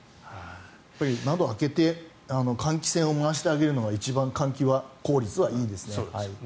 やっぱり窓を開けて換気扇を回してあげるのが一番、換気効率がいいですね。